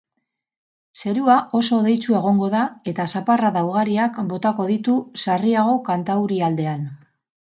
Zerua oso hodeitsu egongo da eta zaparrada ugariak botako ditu, sarriago kantaurialdean.